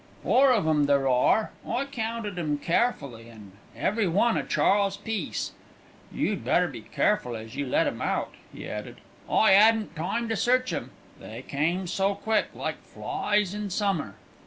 "Four of 'em there are, I counted 'em carefully, an' every one a Charles Peace. You'd better be careful as you let 'em out," he added. "I 'adn't time to search 'em. They came so quick, like flies in summer."